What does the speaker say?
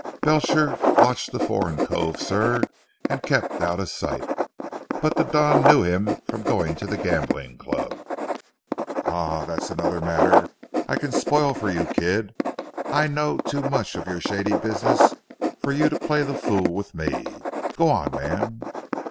"Belcher watched the foreign cove sir, and kept out of sight. But the Don knew him from going to the gambling club." "Ah! that's another matter I can spoil for you Kidd. I know too much of your shady business for you to play the fool with me. Go on man."